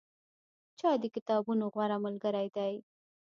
چای د کتابونو غوره ملګری دی.